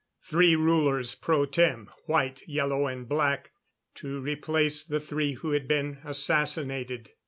Three rulers pro tem White, Yellow and Black to replace the three who had been assassinated.